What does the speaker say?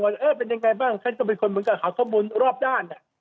แล้วก็ถามแต่ละคนแล้วก็ฟังจากที่กระทรวงต่าง